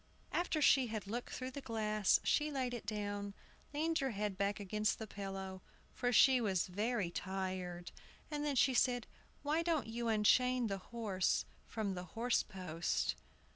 After she had looked through the glass, she laid it down, leaned her head back against the pillow, for she was very tired, and then said, "Why don't you unchain the horse from the horse post?"